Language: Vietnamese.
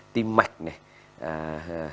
tim mạch này